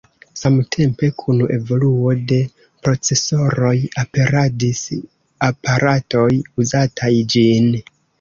Samtempe kun evoluo de procesoroj aperadis aparatoj uzataj ĝin.